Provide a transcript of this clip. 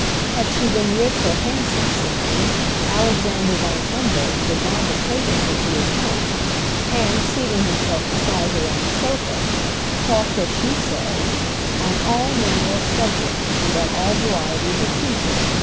Had she been rich or handsome simply, Alexander Von Humboldt would not have taken her to his home, and, seating himself beside her on the sofa, talked, as she says, "on all manner of subjects, and on all varieties of people.